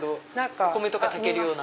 お米とか炊けるような。